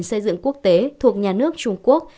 xây dựng quốc tế thuộc nhà nước trung quốc